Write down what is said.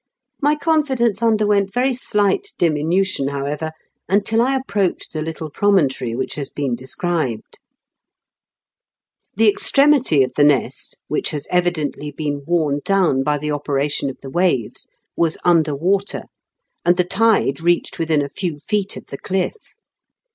My con fidence underwent very slight diminution, however, until I approached the little pro montory which has been described. 264 IN KENT WITH CEABLE8 DI0KEN8. The extremity of the ness, which has evidently been worn down by the operation of the waves, was under water, and the tide reached within a few feet of the cliff.